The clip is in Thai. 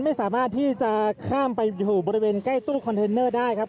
ไม่สามารถที่จะข้ามไปอยู่บริเวณใกล้ตู้คอนเทนเนอร์ได้ครับ